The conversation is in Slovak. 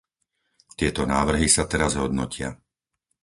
Tieto návrhy sa teraz hodnotia.